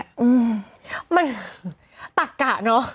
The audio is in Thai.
ก็ดูว่ามันตักกะเนาะ